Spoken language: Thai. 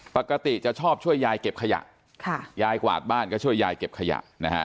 จะชอบช่วยยายเก็บขยะค่ะยายกวาดบ้านก็ช่วยยายเก็บขยะนะฮะ